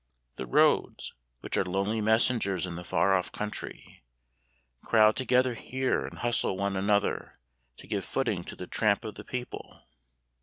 The roads, which are lonely messengers in the far off country, crowd together here, and hustle one another to give footing to the tramp of the people.